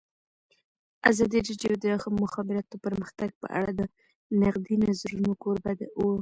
ازادي راډیو د د مخابراتو پرمختګ په اړه د نقدي نظرونو کوربه وه.